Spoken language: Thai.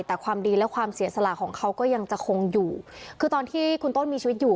แต่ความดีและความเสียสละของเขาก็ยังจะคงอยู่คือตอนที่คุณต้นมีชีวิตอยู่